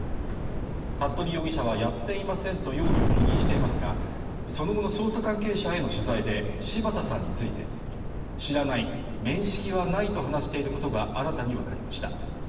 服部容疑者はやっていませんと容疑を否認していますが、その後の捜査関係者への取材で柴田さんについて、知らない面識はないと話していることが新たにわかりました。